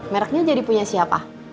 merknya jadi punya siapa